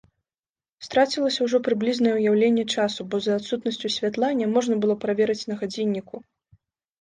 Страцілася ўжо прыблізнае ўяўленне часу, бо за адсутнасцю святла няможна было праверыць на гадзінніку.